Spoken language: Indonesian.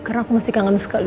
karena aku masih kangen sekali